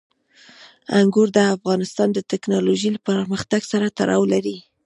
انګور د افغانستان د تکنالوژۍ له پرمختګ سره تړاو لري.